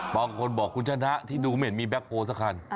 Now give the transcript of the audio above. บางคนบอกคุณชนะที่ดูไม่เห็นมีแบ็คโฮลสักคัน